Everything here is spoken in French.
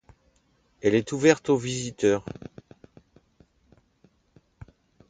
Elle est ouverte aux visiteurs.